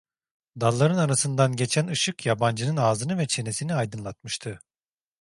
Dalların arasından geçen ışık yabancının ağzını ve çenesini aydınlatmıştı.